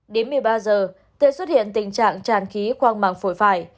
đến một mươi ba h tệ xuất hiện tình trạng tràn khí khoang mạng phổi phải